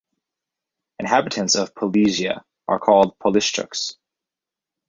Inhabitants of Polesia are called Polishchuks.